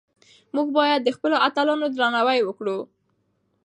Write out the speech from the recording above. موږ باید د خپلو اتلانو درناوی وکړو.